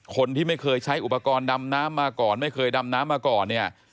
คนที่ไม่เคยใช้อุปกรณ์ดำน้ำมาก่อนไม่เคยดำน้ำมาก่อนเนี่ย